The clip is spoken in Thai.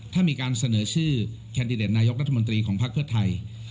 ถ้ามีการเสนอชื่อแคนดิเดตนายกรัฐมนตรีของภักดิ์เพื่อไทย